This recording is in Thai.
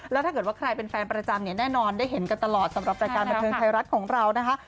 แล้วถ้าเกิดว่าใครเป็นแฟนประจำเนี่ยแน่นอนได้เห็นกันตลอดสำหรับรายการบันเทิงไทยรัฐของเรานะคะ